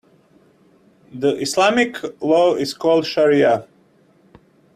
The Islamic law is called shariah.